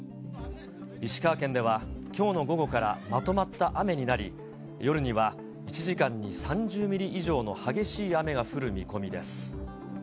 石川県では、きょうの午後からまとまった雨になり、夜には１時間に３０ミリ以上の激しい雨が降る見込みです。